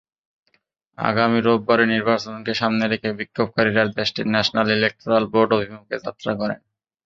আগামী রোববারের নির্বাচনকে সামনে রেখে বিক্ষোভকারীরা দেশটির ন্যাশনাল ইলেকটরাল বোর্ড অভিমুখে যাত্রা করেন।